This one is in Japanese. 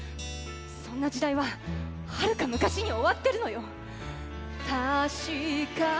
そんな時代ははるか昔に終わってるのよ！